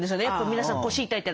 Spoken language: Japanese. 皆さん腰痛いって。